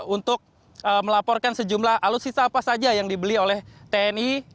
untuk melaporkan sejumlah alutsisa apa saja yang dibeli oleh tni